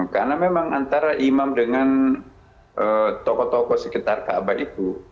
karena memang antara imam dengan toko toko sekitar kaabah itu